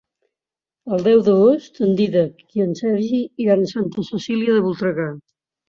El deu d'agost en Dídac i en Sergi iran a Santa Cecília de Voltregà.